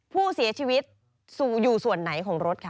ผู้เสียชีวิตอยู่ส่วนไหนของรถคะ